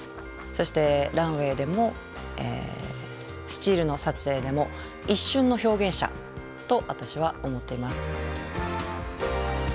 そしてランウェイでもスチールの撮影でも一瞬の表現者と私は思っています。